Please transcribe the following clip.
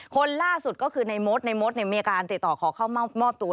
คนล่าสุดก็คือในมดในมดมีอาการติดต่อขอเข้ามอบตัว